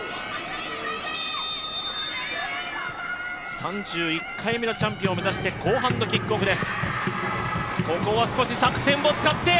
３１回目のチャンピオンを目指して後半のキックオフです。